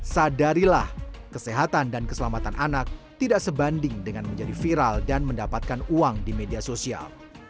sadarilah kesehatan dan keselamatan anak tidak sebanding dengan menjadi viral dan mendapatkan uang di media sosial